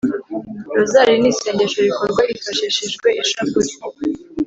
rozari ni isengesho rikorwa hifashishijwe ishapule.